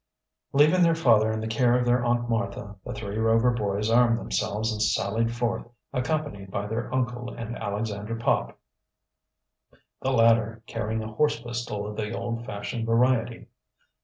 Leaving their father in the care of their Aunt Martha, the three Rover boys armed themselves and sallied forth, accompanied by their uncle and Alexander Pop, the latter carrying a horse pistol of the old fashioned variety.